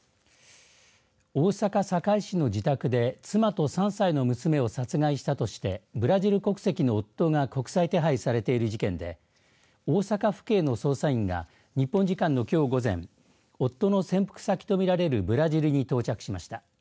大阪堺市の自宅で妻と３歳の娘を殺害したとしてブラジル国籍の夫が国際手配されている事件で大阪府警の捜査員が日本時間のきょう午前夫の潜伏先とみられるブラジルに到着しました。